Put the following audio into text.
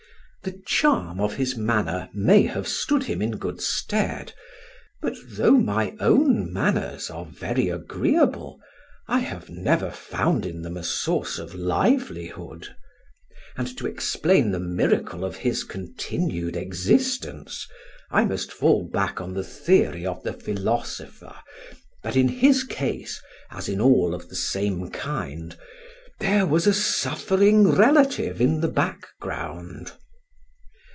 The charm of his manner may have stood him in good stead; but though my own manners are very agreeable, I have never found in them a source of livelihood; and to explain the miracle of his continued existence, I must fall back upon the theory of the philosopher, that in his case, as in all of the same kind, "there was a suffering relative in the background."